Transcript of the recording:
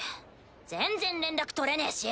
全然連絡取れねぇし。